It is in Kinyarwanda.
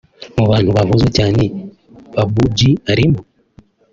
Mu bantu bavuzwe cyane Babou G arimo